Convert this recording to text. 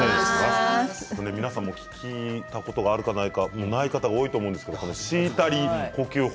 皆さんも聞いたことがあるかないかない方が多いと思うんですがシータリー呼吸法